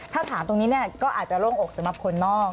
ถ้าถามตรงนี้ก็อาจจะโล่งอกสำหรับคนนอก